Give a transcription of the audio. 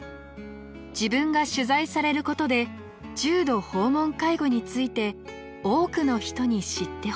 自分が取材されることで重度訪問介護について多くの人に知ってほしい。